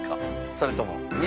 それとも２